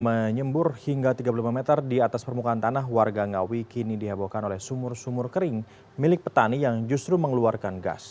menyembur hingga tiga puluh lima meter di atas permukaan tanah warga ngawi kini dihebohkan oleh sumur sumur kering milik petani yang justru mengeluarkan gas